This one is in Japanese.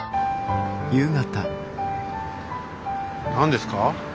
何ですか？